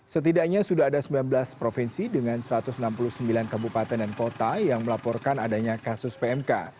setidaknya sudah ada sembilan belas provinsi dengan satu ratus enam puluh sembilan kabupaten dan kota yang melaporkan adanya kasus pmk